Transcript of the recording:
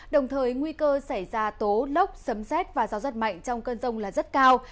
đồng thời nguy cơ xảy ra tố lốc sấm xét và gió rất mạnh trong cơn rông là rất cao